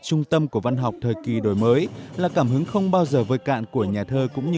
trung tâm của văn học thời kỳ đổi mới là cảm hứng không bao giờ vơi cạn của nhà thơ cũng như